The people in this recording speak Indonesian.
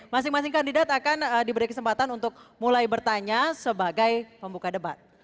masing masing kandidat akan diberi kesempatan untuk mulai bertanya sebagai pembuka debat